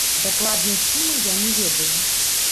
Дакладнай сумы я не ведаю.